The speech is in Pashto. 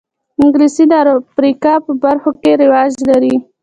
انګلیسي د افریقا په برخو کې رواج لري